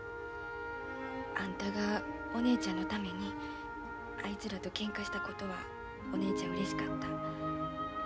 あんたがお姉ちゃんのためにあいつらとけんかしたことはお姉ちゃんうれしかった。